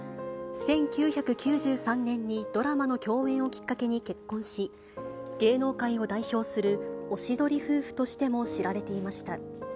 １９９３年にドラマの共演をきっかけに結婚し、芸能界を代表するおしどり夫婦としても知られていました。